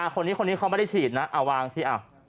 คนนี้เขาไม่ได้ฉีดนะวางสิ